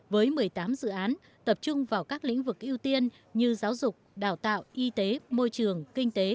với một mươi tám dự án tập trung vào các lĩnh vực ưu tiên như giáo dục đào tạo y tế môi trường kinh tế